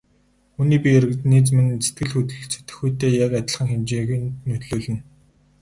Хүний бие организм нь сэтгэл хөдлөлд сэтгэхүйтэй яг адилхан хэмжээнд нөлөөлнө.